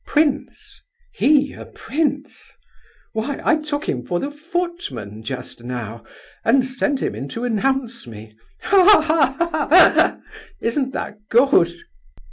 "Prince? He a Prince? Why, I took him for the footman, just now, and sent him in to announce me! Ha, ha, ha, isn't that good!"